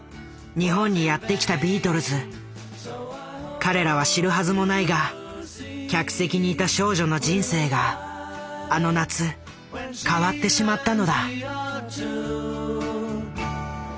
彼らは知るはずもないが客席にいた少女の人生があの夏変わってしまったのだ。